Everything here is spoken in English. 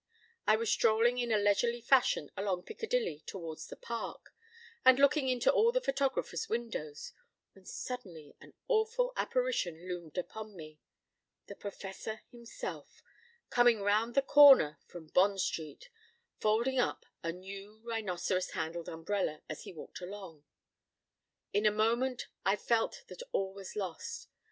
I was strolling in a leisurely fashion along Piccadilly towards the Park, and looking into all the photographers' windows, when suddenly an awful apparition loomed upon me—the Professor himself, coming round the corner from Bond Street, folding up a new rhinoceros handled umbrella as he walked along. In a moment I felt that all was lost.